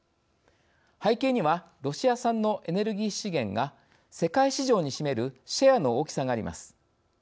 背景にはロシア産のエネルギー資源が世界市場に占めるシェアの大きさがあります。